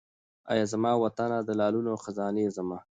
اې زما وطنه د لالونو خزانې زما